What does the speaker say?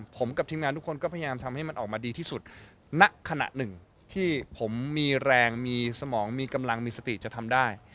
ผมกับทีมงานทุกคนก็พยายามทำให้มันออกมาดีที่สุดณขณะหนึ่งที่ผมมีแรงมีสมองมีกำลังมีสติจะทำได้